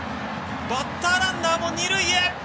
バッターランナーも二塁へ。